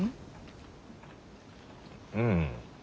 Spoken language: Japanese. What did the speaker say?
うん。